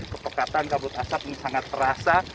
kepekatan kabut asap ini sangat terasa